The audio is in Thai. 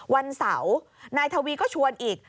วันเสาร์นายทวีก็ชวนอีก